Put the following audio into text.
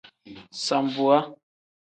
Sambuwa.